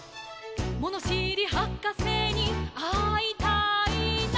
「ものしりはかせにあいたいな」